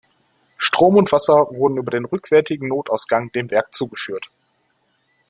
Strom und Wasser wurden über den rückwärtigen Notausgang dem Werk zugeführt.